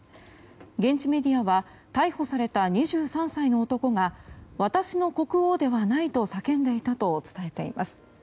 現地メディアでは逮捕された２３歳の男が私の国王ではないと叫んでいたと伝えています。